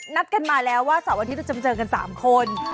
นัดกันมาแล้วว่าสวัสดีค่าจะเจอกันสามคน